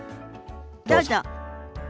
どうぞ。